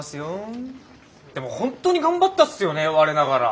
でも本当に頑張ったっすよね我ながら。